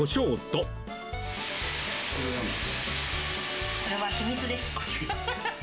これは秘密です。